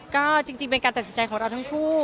ก็จริงเป็นการตัดสินใจของเราทั้งคู่